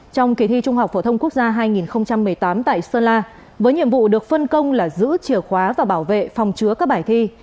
trong kỳ thi trung học phổ thông quốc gia hai nghìn một mươi tám tại sơn la với nhiệm vụ được phân công là giữ chìa khóa và bảo vệ phòng chứa các bài thi